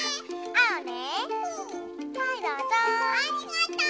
ありがとう！